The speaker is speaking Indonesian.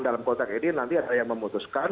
dalam konteks ini nanti ada yang memutuskan